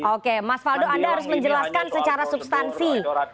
oke mas faldo anda harus menjelaskan secara substansi